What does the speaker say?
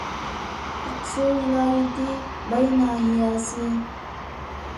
ئاقسۇ ۋىلايىتى باي ناھىيەسى